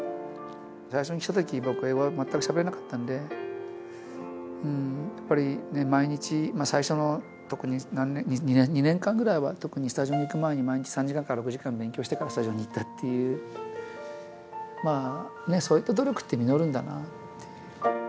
最初に来たとき、僕は英語が全くしゃべれなかったんで、やっぱり毎日、最初の特に２年間ぐらいは、特にスタジオに行く前に、毎日３時間から６時間勉強してからスタジオに行ったっていう、そういった努力って実るんだなって。